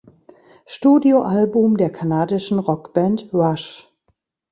Studioalbum der kanadischen Rockband Rush.